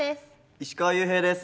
石川裕平です。